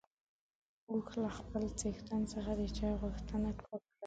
اوښ له خپل څښتن څخه د چای غوښتنه وکړه.